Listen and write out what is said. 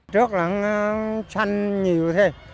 trước lần trăn nhiều